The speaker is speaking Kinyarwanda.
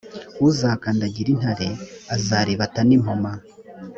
uzakandagira intare azaribata n’impoma